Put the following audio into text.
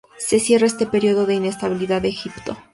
Se cierra este período de inestabilidad en Egipto.